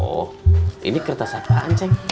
oh ini kertas apaan ceng